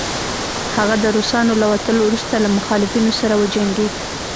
هغه د روسانو له وتلو وروسته له مخالفينو سره وجنګيد